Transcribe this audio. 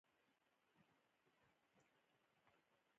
د فلو سايټومېټري حجرو ډول ښيي.